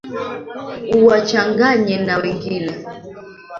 uwachanganye na wengine